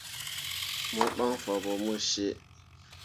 Mo ɓan fanne ɓo mo cii.